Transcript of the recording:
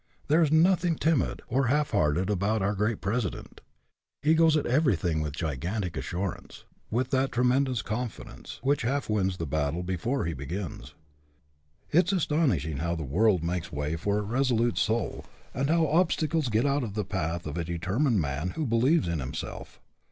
There is nothing timid or half hearted about our great president. He goes at everything with that gigantic assurance, HE CAN WHO THINKS HE CAN 5 with that tremendous confidence, which half wins the battle before he begins. It is aston ishing how the world makes way for a resolute soul, and how obstacles get out of the path of a determined man who believes in himself.